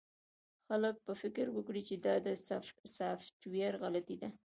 خلک به فکر وکړي چې دا د سافټویر غلطي ده